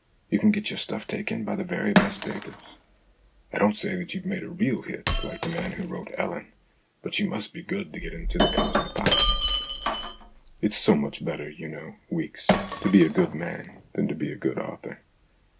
You can get your stuff taken by the very best papers. I don't say that you've made a real hit, like the man who wrote ' Ellen,' but you must be good to get into The Cosmopolitan" " It's so much better, you know, Weeks, to be a good man than to be a good author.